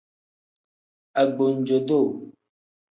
Agbanjo-duu.